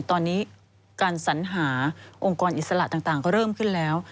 ตอนนี้การสัญหาองค์กรอิสระต่างก็เริ่มขึ้นแล้ว